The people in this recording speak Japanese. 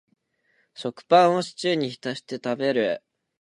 食パンをシチューに浸して食べる